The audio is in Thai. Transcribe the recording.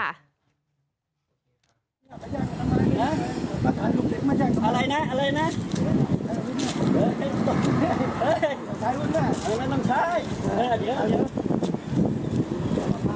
อ่า